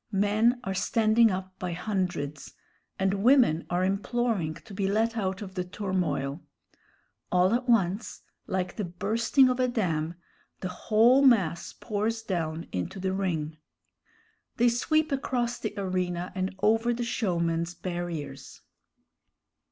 Men are standing up by hundreds, and women are imploring to be let out of the turmoil. All at once, like the bursting of a dam, the whole mass pours down into the ring. They sweep across the arena and over the showman's barriers.